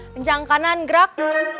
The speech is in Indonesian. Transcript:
kencang kanan gerak